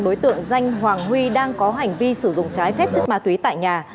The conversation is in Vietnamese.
đối tượng danh hoàng huy đang có hành vi sử dụng trái phép chất ma túy tại nhà